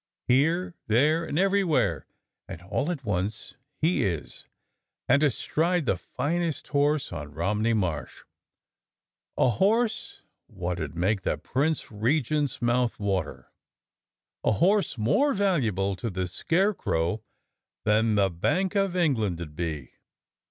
Here, there, and everywhere, and all at once he is, and astride the finest horse on Romney Marsh, a horse wot 'ud make the Prince Regent's mouth water, a horse more valuable to the Scarecrow than the Bank of England 'ud be."